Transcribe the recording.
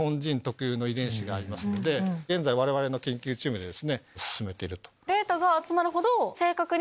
現在我々の研究チームで進めていると。